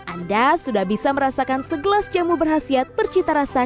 anda sudah bisa merasakan segelas jamu berhasilat percita rasa